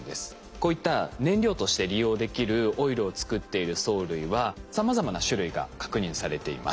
こういった燃料として利用できるオイルを作っている藻類はさまざまな種類が確認されています。